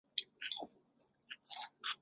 短萼素馨是木犀科素馨属的植物。